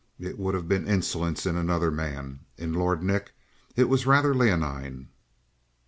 It would have been insolence in another man; in Lord Nick it was rather leonine.